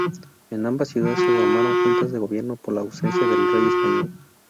En ambas ciudades se formaron juntas de gobierno por la ausencia del rey español.